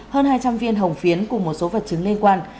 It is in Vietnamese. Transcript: hơn hai trăm linh viên hồng phiến cùng một số vật chứng liên quan